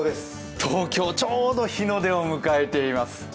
東京、ちょうど日の出を迎えています。